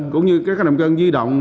cũng như các trạm cân di động